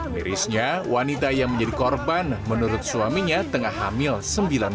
mirisnya wanita yang menjadi korban menurut suaminya tengah hamil sembilan bulan